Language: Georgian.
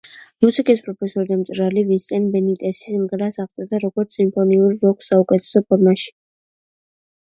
მუსიკის პროფესორი და მწერალი ვინსენტ ბენიტესი სიმღერას აღწერდა, როგორც „სიმფონიურ როკს საუკეთესო ფორმაში“.